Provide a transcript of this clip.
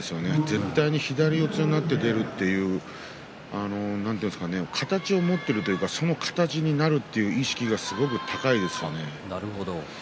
絶対に左四つになって出るという形を持っているというかその形になるという意識がすごく高いですね。